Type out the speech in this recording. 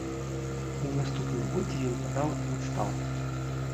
У наступным годзе ён падаў у адстаўку.